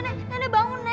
nenek nenek bangun nek